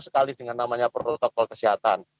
sekali dengan namanya protokol kesehatan